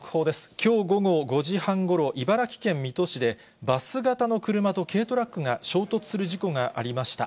きょう午後５時半ごろ、茨城県水戸市で、バス型の車と軽トラックが衝突する事故がありました。